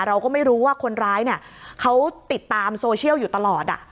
เราก็ไม่รู้ว่าคนร้ายเนี่ยเขาติดตามโซเชียลอยู่ตลอด